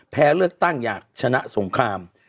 แพ้เลือกตั้งอยากชนะสงคราม